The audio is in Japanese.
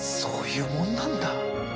そういうもんなんだ。